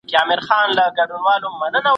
زه اوس چای څښم؟